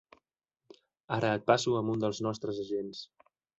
Ara et passo amb un dels nostres agents.